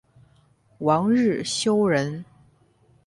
王日休人。